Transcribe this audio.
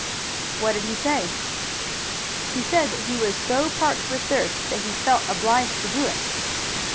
"What did he say?" "He said that he was so parched with thirst that he felt obliged to do it."